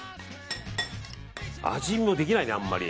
味見もできないね、あんまり。